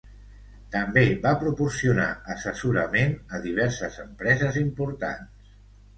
També va proporcionar assessorament a diverses empreses importants.